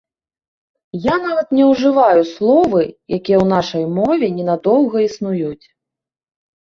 Я нават не ўжываю словы, якія ў нашай мове не надоўга існуюць.